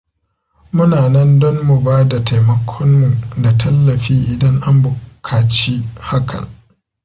Muna nan don mu bada taimakon mu da tallafi idan an bukaci hakan.